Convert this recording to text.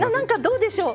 どうでしょう？